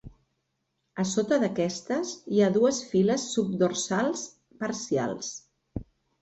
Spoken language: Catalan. A sota d'aquestes, hi ha dues files subdorsals parcials.